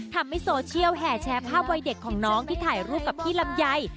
ทำให้โซเชียลแห่แชร์ภาพวัยเด็กของน้องที่ถ่ายรูปกับพี่ลำไย